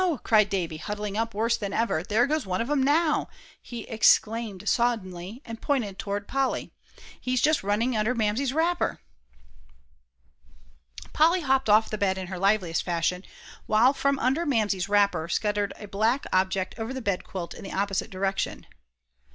cried Davie, huddling up worse than ever. "There goes one of 'em now!" he exclaimed suddenly, and pointed toward Polly; "he's just running under Mamsie's wrapper!" Polly hopped off the bed in her liveliest fashion, while from under Mamsie's wrapper scuttled a black object over the bedquilt in the opposite direction.